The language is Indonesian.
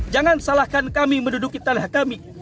jangan salahkan kami menduduki tanah kami